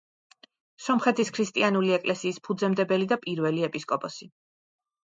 სომხეთის ქრისტიანული ეკლესიის ფუძემდებელი და პირველი ეპისკოპოსი.